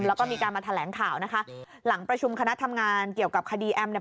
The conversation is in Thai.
แล้วก็มีการมาแถลงข่าวนะคะหลังประชุมคณะทำงานเกี่ยวกับคดีแอมเนี่ย